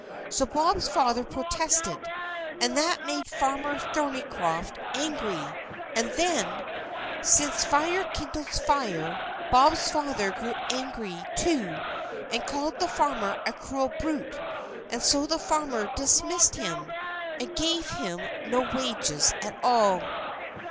So Bob's father protested, and that made Farmer Thornycroft angry, and then, since fire kindles fire, Bob's father grew angry too, and called the farmer a cruel brute; so the farmer dismissed him, and gave him no wages at all.